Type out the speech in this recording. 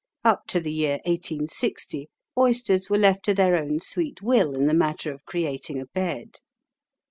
Up to the year 1860 oysters were left to their own sweet will in the matter of creating a bed.